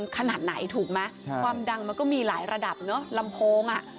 ขนาดไหนถูกไหมความดังมันก็มีหลายระดับเนอะลำโพงอ่ะ